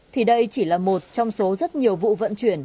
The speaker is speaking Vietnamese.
thì đây chỉ là một trong số rất nhiều vụ vận chuyển